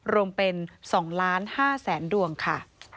รวมเป็น๒ล้าน๕แสนดวงค่ะ